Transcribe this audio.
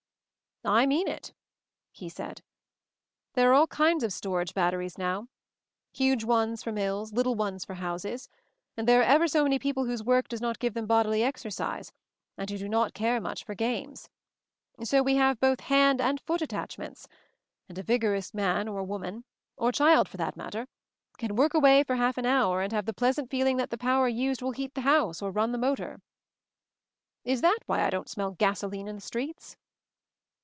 "I mean it," he said. "There are all kinds of storage batteries now. Huge ones for mills, little ones for houses; and there are ever so many people whose work does not give them bodily exercise, and who do not care much for games. So we have both hand and foot attachments ; and a vigorous MOVING THE MOUNTAIN 173 man, or woman — or child, for that matter, can work away for half an hour, and have the pleasant feeling that the power used will heat the house or run the motor. "Is that why I don't smell gasoline in the streets?"